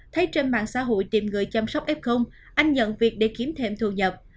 thấy trên mạng xã hội tìm người chăm sóc f anh nhận việc để kiếm thêm thu nhập